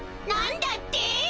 なんだって！